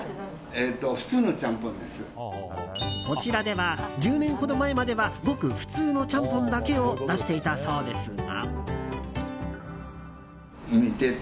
こちらでは１０年ほど前まではごく普通のちゃんぽんだけを出していたそうですが。